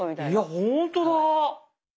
いやほんとだ。